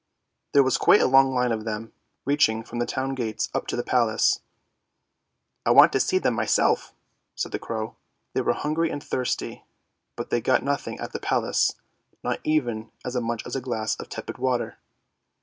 There was quite a long line of them, reaching from the town gates up to the Palace. " I went to see them myself," said the crow. " They were hungry and thirsty, but they got nothing at the Palace, not even as much as a glass of tepid water.